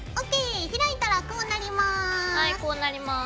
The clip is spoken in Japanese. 開いたらこうなります。